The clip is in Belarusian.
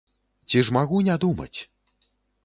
Ці ж магу не думаць?